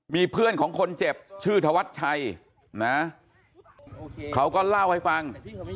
มีเพื่อนของคนเจ็บชื่อธวัชชัยนะเขาก็เล่าให้ฟัง